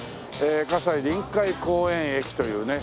西臨海公園駅というね